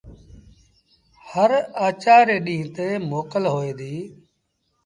هر آچآر ري ڏيٚݩهݩ تي موڪل هوئي ديٚ۔